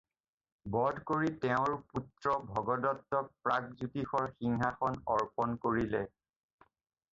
বধ কৰি তেওঁৰ পুত্ৰ ভগদত্তক প্ৰাগজ্যোতিষৰ সিংহাসন অৰ্পণ কৰিলে।